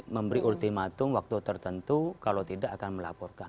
memberi ultimatum waktu tertentu kalau tidak akan melaporkan